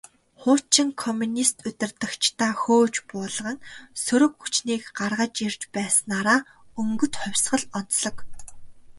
Хуучин коммунист удирдагчдаа хөөж буулган, сөрөг хүчнийг гаргаж ирж байснаараа «Өнгөт хувьсгал» онцлог.